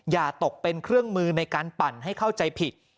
อย่าตกเป็นเครื่องมือในการปั่นให้เข้าใจผิด